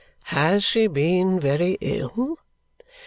"Has she been very ill?"